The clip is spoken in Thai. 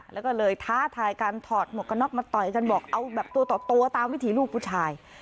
แล้วก็เลยท้าทายการถอดหมวกกระน็อกมาต่อยกันบอกเอาแบบตัวต่อตัวตามวิถีลูกผู้ชาย